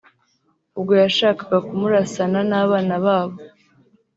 ubwo yashakaga kumurasana n’abana babo